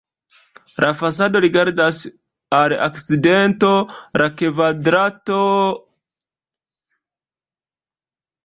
La fasado rigardas al okcidento, la kvadrata sanktejo al oriento.